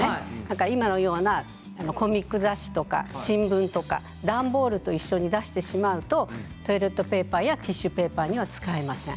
今のようなコミック雑誌とか新聞とか段ボールと一緒に出してしまうとトイレットペーパーやティッシュペーパーには使えません。